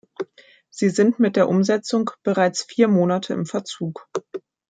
Sie sind mit der Umsetzung bereits vier Monate im Verzug.